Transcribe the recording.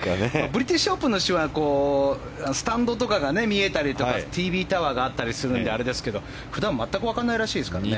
ブリティッシュオープンの週はスタンドとかが見えたりとかＴＶタワーが見えたりしますけど普段は全く分からないらしいですからね。